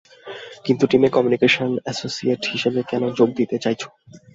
কিন্তু টিমে communication associate হিসাবে কেন যোগ দিতে চাইছো?